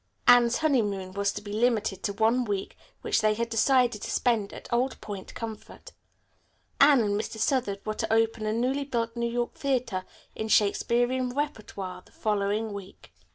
Anne's honeymoon was to be limited to one week which they had decided to spend at Old Point Comfort. Anne and Mr. Southard were to open a newly built New York theatre in Shakespearian repetoire the following week.